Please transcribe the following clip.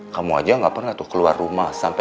kamu aja gak pernah tuh keluar rumah sampai